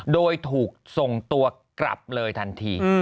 โดยถูกส่งตัวกลับเลยทันที